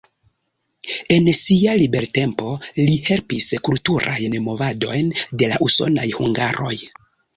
En sia libertempo li helpis kulturajn movadojn de la usonaj hungaroj.